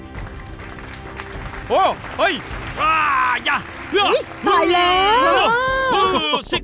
อี๊ยไปแล้ว